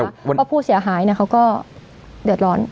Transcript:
เพราะผู้เสียหายเขาก็เดือดร้อน